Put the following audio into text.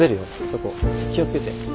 そこ気を付けて。